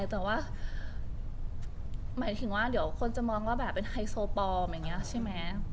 แต่ก็หมายถึงว่าคนจะมองว่าแบบเป็นไฮโซปลอม